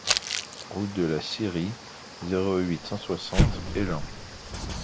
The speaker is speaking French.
Route de la Scierie, zéro huit, cent soixante Élan